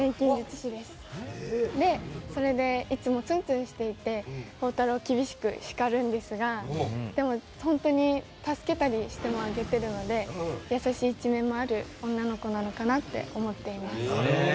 それで、いつもツンツンしていて宝太郎を厳しく叱るんですが助けたりしてもあげているので優しい一面もある女の子かなと思っています。